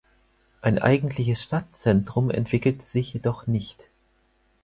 Ein eigentliches Stadtzentrum entwickelte sich jedoch nicht.